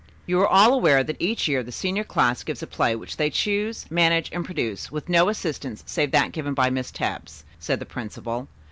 "You are all aware that each year the senior class gives a play, which they choose, manage and produce with no assistance save that given by Miss Tebbs," said the principal.